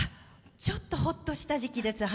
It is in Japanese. ちょっと、ほっとした時期です。